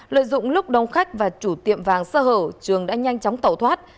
lợi dụng lúc đông khách và chủ tiệm vàng sơ hở trường đã nhanh chóng tẩu thoát